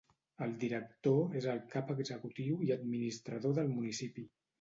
El director és el cap executiu i administrador del municipi.